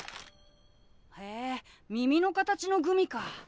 へえ耳の形のグミか。